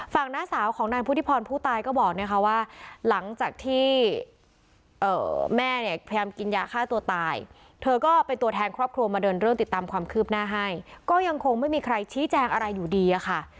น้าสาวของนายพุทธิพรผู้ตายก็บอกนะคะว่าหลังจากที่แม่เนี่ยพยายามกินยาฆ่าตัวตายเธอก็เป็นตัวแทนครอบครัวมาเดินเรื่องติดตามความคืบหน้าให้ก็ยังคงไม่มีใครชี้แจงอะไรอยู่ดีอะค่ะ